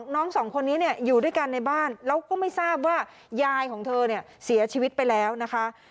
สองคนนี้เนี่ยอยู่ด้วยกันในบ้านแล้วก็ไม่ทราบว่ายายของเธอเนี่ยเสียชีวิตไปแล้วนะคะ